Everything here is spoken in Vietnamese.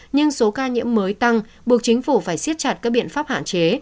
nhưng số ca nhiễm mới tăng buộc chính phủ phải xiết chặt các biện pháp hạn chế